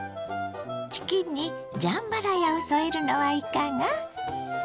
チキンにジャンバラヤを添えるのはいかが？